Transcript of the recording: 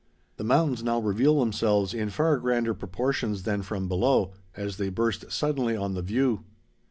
The mountains now reveal themselves in far grander proportions than from below, as they burst suddenly on the view.